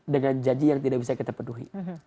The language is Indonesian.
dengan janji yang tidak bisa kita penuhi